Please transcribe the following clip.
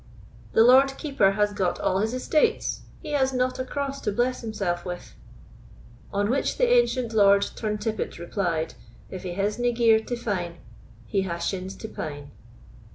"The Lord Keeper has got all his estates; he has not a cross to bless himself with." On which the ancient Lord Turntippet replied, "If he hasna gear to fine, He ha shins to pine.